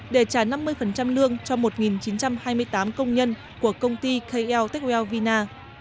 để trả năm mươi lương cho một chín trăm hai mươi tám công nhân của công ty kl techwell vina